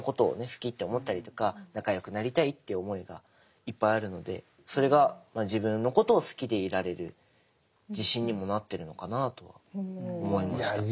好きって思ったりとか仲よくなりたいっていう思いがいっぱいあるのでそれが自分のことを好きでいられる自信にもなってるのかなとは思いました。